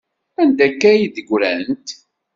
Anda akka ay d-ggrant?